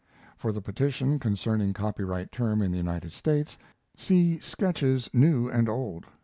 [For the petition concerning copyright term in the United States, see Sketches New and Old.